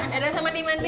ya udah saya mandi mandi